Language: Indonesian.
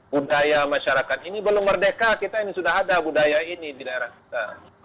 budaya masyarakat ini belum merdeka kita ini sudah ada budaya ini di daerah kita